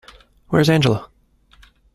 Where's Angela?